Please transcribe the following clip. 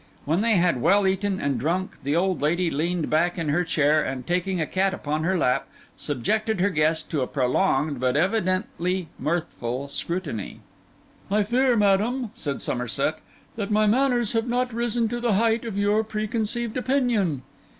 When they had well eaten and drunk, the old lady leaned back in her chair, and taking a cat upon her lap, subjected her guest to a prolonged but evidently mirthful scrutiny. 'I fear, madam,' said Somerset, 'that my manners have not risen to the height of your preconceived opinion.